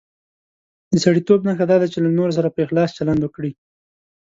د سړیتوب نښه دا ده چې له نورو سره په اخلاص چلند وکړي.